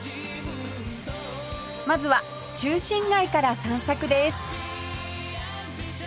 まずは中心街から散策です